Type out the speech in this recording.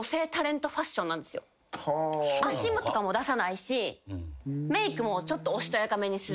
脚とかも出さないしメークもちょっとおしとやかめにするとか。